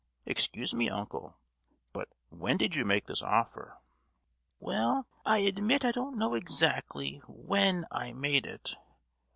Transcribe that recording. "Excuse me, uncle; but when did you make this offer?" "Well, I admit I don't know exactly when I made it!